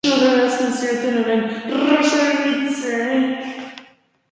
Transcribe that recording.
Zarata horrekin abisatzen die arrantzaleei itsasarorik dagoen ala ez.